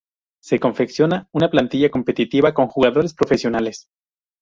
Se confecciona una plantilla competitiva con jugadores profesionales.